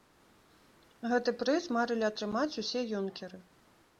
Гэты прыз марылі атрымаць усе юнкеры.